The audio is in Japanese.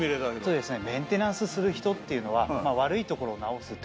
そうですね。